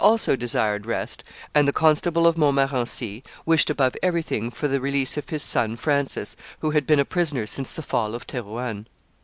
also desired rest; and the Constable de Montmorency wished above everything for the release of his son Francis, who had been a prisoner since the fall of Thorouanne.